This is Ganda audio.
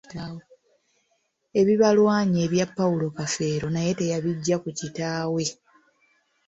Ebibalwanya ebya Paulo Kafeero naye teyabijja ku kitaawe.